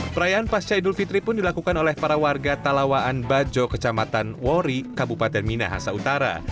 perayaan pasca idul fitri pun dilakukan oleh para warga talawaan bajo kecamatan wori kabupaten minahasa utara